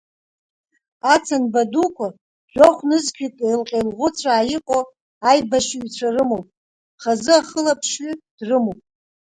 Ацанба дуқәа жәохә-нызқьҩык еилҟьа-еилӷәыцәаа иҟоу аибашьҩцәа рымоуп, хазы ахылаԥшҩы дрымоуп.